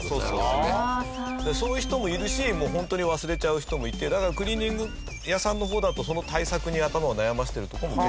そういう人もいるしホントに忘れちゃう人もいてだからクリーニング屋さんの方だとその対策に頭を悩ませてるとこも。